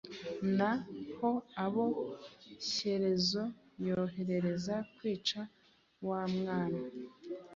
Na ho abo Shyerezo yohereza kwica wa mwana,